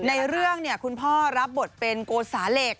ในเรื่องคุณพ่อรับบทเป็นโกสาเหล็ก